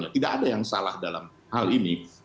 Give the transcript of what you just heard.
tidak ada yang salah dalam hal ini